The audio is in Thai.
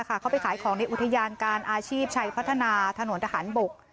เขาไปขายของในอุทยานการอาชีพชัยพัฒนาถนนทหารบก